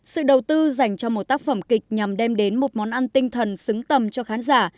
sự đầu tư dành cho một tác phẩm kịch nhằm đem đến một món ăn tinh thần xứng tầm cho khán giả